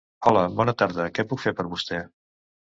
Hola bona tarda què puc fer per vostè?